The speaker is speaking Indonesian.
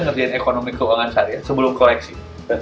ngerjain ekonomi keuangan seharian sebelum koleksi